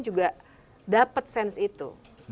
juga dapat sense itu